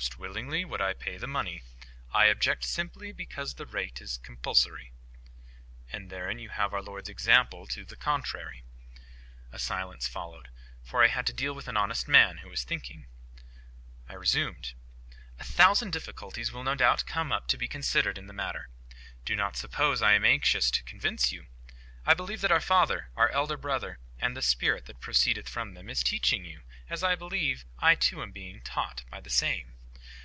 "Most willingly would I pay the money. I object simply because the rate is compulsory." "And therein you have our Lord's example to the contrary." A silence followed; for I had to deal with an honest man, who was thinking. I resumed:— "A thousand difficulties will no doubt come up to be considered in the matter. Do not suppose I am anxious to convince you. I believe that our Father, our Elder Brother, and the Spirit that proceedeth from them, is teaching you, as I believe I too am being taught by the same.